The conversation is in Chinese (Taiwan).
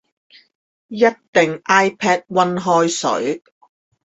一定 iPad 溫開水